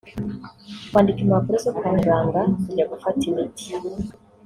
kwandika impapuro zo kwa muganga kujya gufata imiti